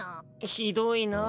ひどいなぁ。